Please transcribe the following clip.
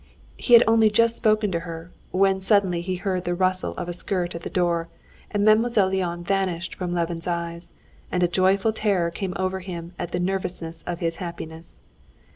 He had only just spoken to her, when suddenly he heard the rustle of a skirt at the door, and Mademoiselle Linon vanished from Levin's eyes, and a joyful terror came over him at the nearness of his happiness.